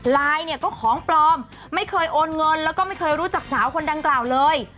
ไลน์เนี่ยก็ของปลอมไม่เคยโอนเงินแล้วก็ไม่เคยรู้จักสาวคนดังกล่าวเลย